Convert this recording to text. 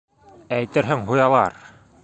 Әйтерһең һуялар!